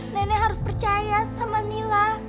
nenek harus percaya sama nila